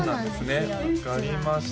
実は分かりました